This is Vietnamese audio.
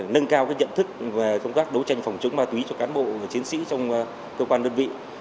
nâng cao nhận thức về công tác đấu tranh phòng chống ma túy cho cán bộ chiến sĩ trong cơ quan đơn vị